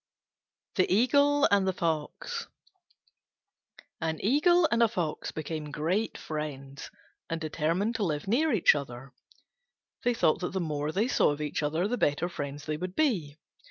THE EAGLE AND THE FOX An Eagle and a Fox became great friends and determined to live near one another: they thought that the more they saw of each other the better friends they would be.